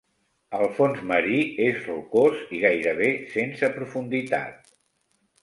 El fons marí és rocós i gairebé sense profunditat.